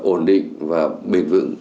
ổn định và bền vững